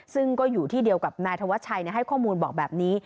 ซึ่งก็อยู่ที่เดียวกับนายธวัชชัยให้ข้อมูลบอกแบบนี้